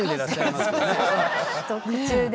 特注で。